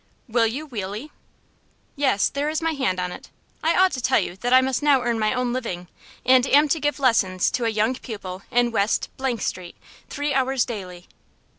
"Will you, weally?" "Yes, there is my hand on it. I ought to tell you that I must now earn my own living, and am to give lessons to a young pupil in West Street, three hours daily."